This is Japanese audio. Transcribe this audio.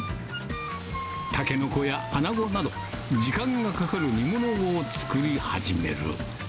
たけのこやアナゴなど、時間がかかる煮物を作り始める。